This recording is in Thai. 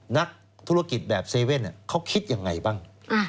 นักธุรกิจแบบเซเว่นเขาคิดยังไงบ้าง